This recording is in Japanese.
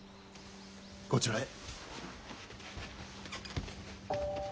こちらへ。